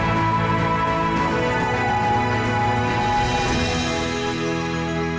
pertanak lintas generasi khawatir